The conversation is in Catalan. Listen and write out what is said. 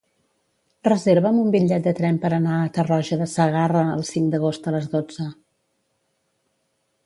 Reserva'm un bitllet de tren per anar a Tarroja de Segarra el cinc d'agost a les dotze.